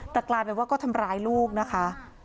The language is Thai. แต่กลายเป็นว่าก็ทำร้ายลูกนะคะ